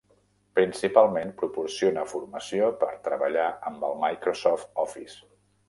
Principalment, proporciona formació per treballar amb el Microsoft Office.